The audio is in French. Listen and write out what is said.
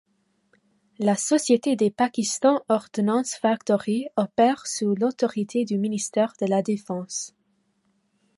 La société des Pakistan Ordnance Factories opère sous l'autorité du ministère de la défense.